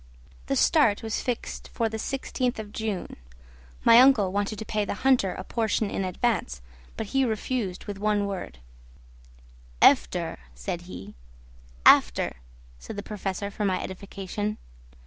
The start was fixed for the 16th of June. My uncle wanted to pay the hunter a portion in advance, but he refused with one word: "Efter," said he. "After," said the Professor for my edification.